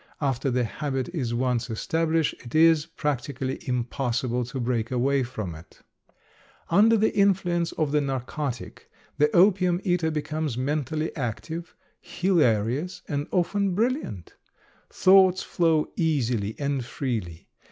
After the habit is once established it is practically impossible to break away from it. Under the influence of the narcotic the opium eater becomes mentally active, hilarious, and even brilliant. Thoughts flow easily and freely.